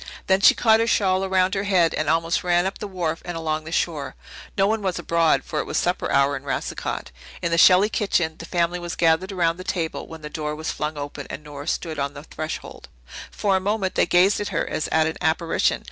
Then she caught her shawl around her head and almost ran up the wharf and along the shore. No one was abroad, for it was supper hour in Racicot. In the Shelley kitchen the family was gathered around the table, when the door was flung open and Nora stood on the threshold. For a moment they gazed at her as at an apparition.